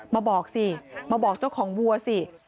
มาบอกสิมาบอกเจ้าของวัวสิ